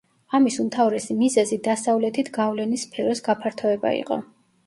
ამის უმთავრესი მიზეზი დასავლეთით გავლენის სფეროს გაფართოება იყო.